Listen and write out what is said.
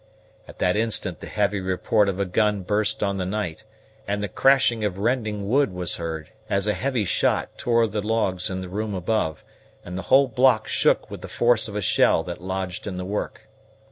At that instant the heavy report of a gun burst on the night; and the crashing of rending wood was heard, as a heavy shot tore the logs in the room above, and the whole block shook with the force of a shell that lodged in the work.